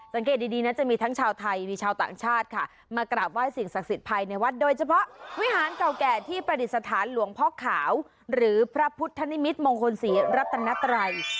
สังเกตดีนะจะมีทั้งชาวไทยมีชาวต่างชาติค่ะมากราบไห้สิ่งศักดิ์สิทธิภายในวัดโดยเฉพาะวิหารเก่าแก่ที่ประดิษฐานหลวงพ่อขาวหรือพระพุทธนิมิตมงคลศรีรัตนัตรัย